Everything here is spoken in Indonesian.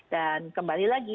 dan kembali lagi